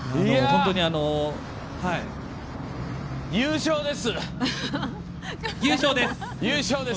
本当に優勝です！